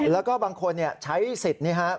แล้วก็บางคนใช้สิทธิ์